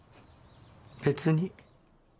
別に。